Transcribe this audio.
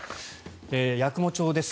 八雲町です。